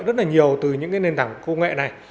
rất nhiều từ những nền tảng công nghệ này